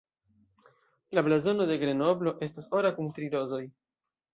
La blazono de Grenoblo estas ora kun tri rozoj.